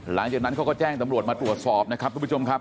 หลังจากนั้นเขาก็แจ้งตำรวจมาตรวจสอบนะครับทุกผู้ชมครับ